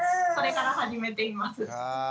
それから始めています。